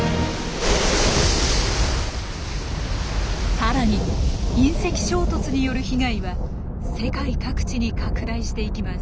さらに隕石衝突による被害は世界各地に拡大していきます。